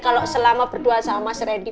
kalau selama berdua sama mas rindy